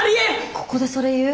ここでそれ言う？